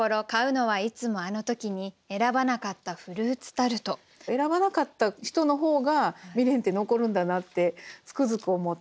選ばなかった人の方が未練って残るんだなってつくづく思って。